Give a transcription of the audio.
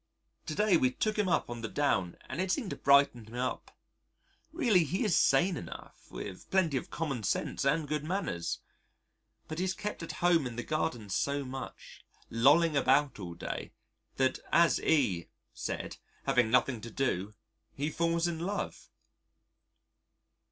To day we took him up on the Down and it seemed to brighten him up. Really, he is sane enough, with plenty of commonsense and good manners. But he is kept at home in the garden so much, lolling about all day, that as E said, having nothing to do, he falls in love.